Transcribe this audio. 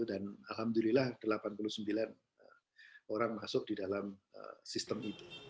dan alhamdulillah delapan puluh sembilan orang masuk di dalam sistem itu